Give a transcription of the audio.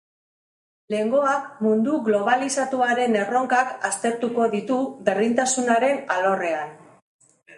Lehengoak mundu globalizatuaren erronkak aztertuko ditu, berdintasunaren alorrean.